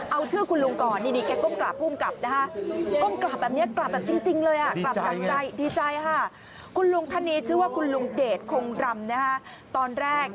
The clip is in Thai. เอาชื่อคุณลุงก่อนนี่แกก้มกราบผู้กำกับนะฮะ